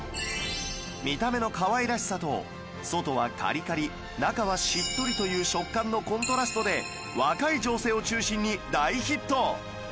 見た目の可愛らしさと外はカリカリ中はしっとりという食感のコントラストで若い女性を中心に大ヒット